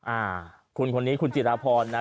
อ่าคุณคนนี้คุณจิราพรนะ